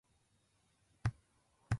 私は大砲です。